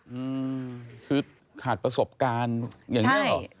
อืมคือขาดประสบการณ์อย่างนี้หรอ